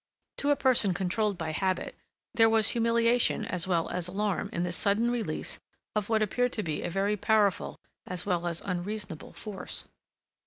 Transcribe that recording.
To a person controlled by habit, there was humiliation as well as alarm in this sudden release of what appeared to be a very powerful as well as an unreasonable force.